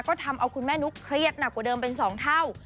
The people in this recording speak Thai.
ก็ทำเอาคุณแม่นุ๊กเครียดหนักกว่าเดิมเป็น๒เท่า